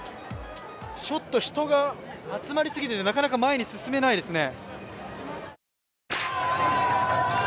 ちょっと人が集まり過ぎていて、なかなか前に進めないですね。